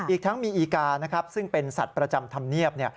อีกทั้งมีอีกานะครับซึ่งเป็นสัตว์ประจำธรรมเนียบ